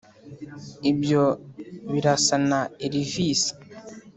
ibyo birasa na elvis